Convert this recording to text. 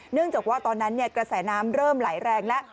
เนื่องจากว่าตอนนั้นกระแสน้ำเริ่มไหลแรงแล้ว